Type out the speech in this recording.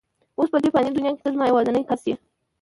اوس په دې فاني دنیا کې ته زما یوازینۍ کس یې.